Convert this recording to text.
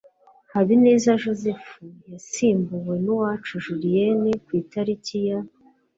HABINEZA Joseph yasimbuwe na UWACU Julienne ku itariki ya